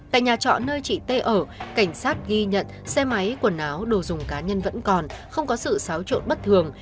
tại nhà trọ nơi chị t ở cảnh sát ghi nhận xe máy quần áo đồ dùng cá nhân vẫn còn không có sự xáo trộn bất thường